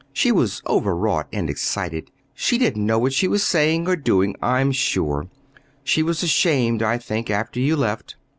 She was overwrought and excited. She didn't know what she was saying or doing, I'm sure. She was ashamed, I think after you left."